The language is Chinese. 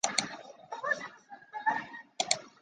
圣马尔克杜科。